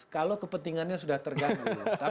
kalau kepentingannya sudah terganggu